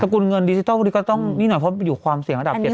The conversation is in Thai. กุลเงินดิจิทัลก็ต้องนิดหน่อยเพราะอยู่ความเสี่ยงระดับ๗๐